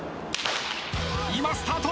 今スタート。